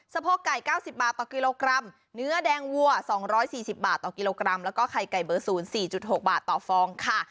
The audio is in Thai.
สะโพกไก่เก้าสิบบาทต่อกิโลกรัมเนื้อแดงวัวสองร้อยสี่สิบบาทต่อกิโลกรัมแล้วก็ไข่ไก่เบอร์ศูนย์สี่จุดหกบาทต่อฟองค่ะ